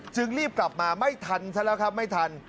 จึงรีบกลับมาไม่ทันซะแล้วครับไม่ทัน